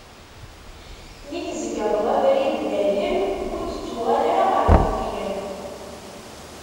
Mi tzegreḍ abrid dayen, ur d-ttuɣal ara ɣer deffir.